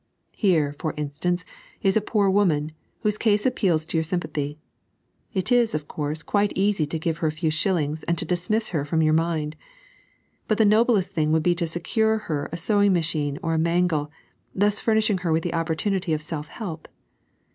Here, for instance, is a poor woman, whose case appeals to to your sympathy. It is, of course, quite eaey to give her a few shillings and to dismiss her from your mind, but the noblest thing would be to secure her a sewing machine or a mangle, thus furnishing her with the opportunity of self help.